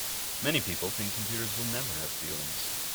Many people think computers will never have feelings.